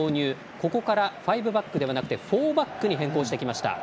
ここから５バックではなく４バックに変更してきました。